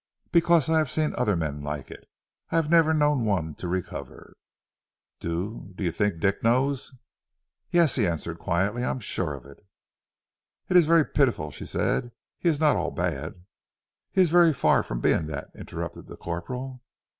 "Because I have seen other men like it. I have never known one to recover." "Do ... do you think Dick knows?" "Yes," he answered quietly. "I am sure of it!" "It is very pitiful," she said. "He is not all bad " "He is very far from being that," interrupted the corporal.